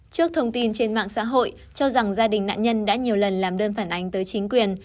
trước thông tin trên mạng xã hội cho rằng gia đình nạn nhân đã nhiều lần làm đơn phản ánh tới chính quyền